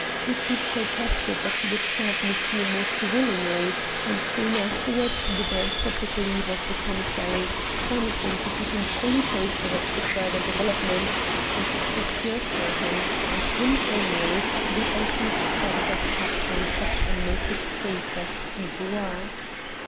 Petit protested that he would serve monsieur most willingly, and soon afterwards the barrister took leave of the commissary, promising to keep him fully posted as to further developments, and secure for him, and him only, the ultimate credit of capturing such a noted thief as Dubois.